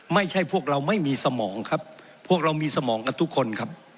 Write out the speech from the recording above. ไม่ใช่พวกเราไม่มีสมองครับพวกเรามีสมองกับทุกคนครับ